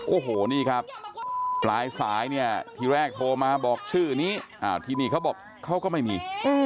โอ้โหนี่ครับปลายสายเนี่ยทีแรกโทรมาบอกชื่อนี้ที่นี่เขาบอกเขาก็ไม่มี